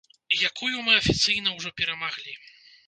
Якую мы афіцыйна ўжо перамаглі.